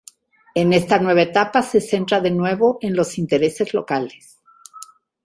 En esta nueva etapa se centra de nuevo en los intereses locales.